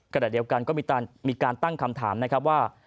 ขณะเดียวกันก็มีการตั้งคำถามนะครับว่า